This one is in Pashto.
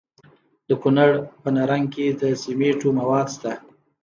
د کونړ په نرنګ کې د سمنټو مواد شته.